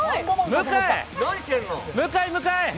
向井、向井！